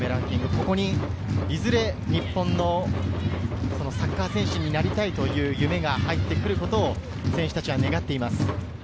ここに、いずれ日本のサッカー選手になりたいという夢が入ってくることを選手たちは願っています。